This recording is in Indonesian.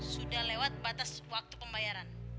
sudah lewat batas waktu pembayaran